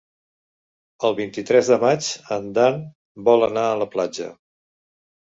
El vint-i-tres de maig en Dan vol anar a la platja.